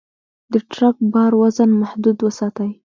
د ټرک بار وزن محدود وساتئ.